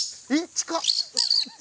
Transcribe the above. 近っ。